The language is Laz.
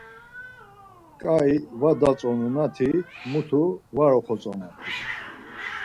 Ǩai var datzonunati mutu var oxotzonapu.